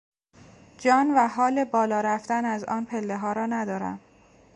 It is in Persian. جان و حال بالا رفتن از آن پلهها را ندارم.